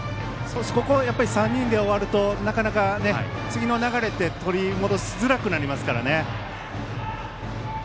ここは３人で終わるとなかなか次の流れって取り戻しづらくなりますからね。